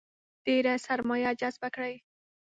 ډېره سرمایه جذبه کړي.